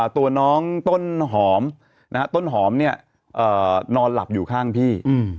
ตัวน้องต้นหอมต้นหอมนอนหลับอยู่ข้างพี่